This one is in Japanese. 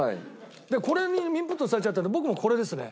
でこれインプットされちゃったんで僕もこれですね。